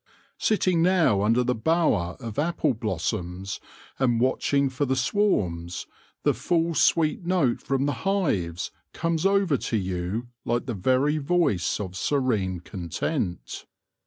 Sitting now under the lower of apple blossoms and watching for the swards, the full sweet note from the hives comes over to you like the very voice of serene content.